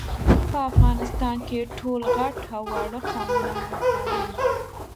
په افغانستان کي ټول غټ او واړه قومونه افغانان دي